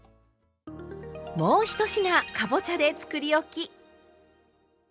もう１品かぼちゃでつくりおき！